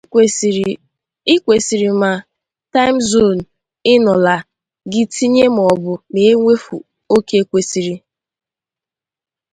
Ikwesiri ma "time zone" i-no la, gi tinye m'obu mee nwefu oke ikwesiri.